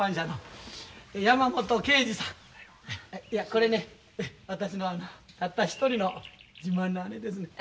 これね私のたった一人の自慢の姉ですねん。